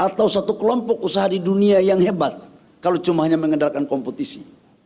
atau satu kelompok usaha di dunia yang hebat kalau cuma hanya mengandalkan kompetisi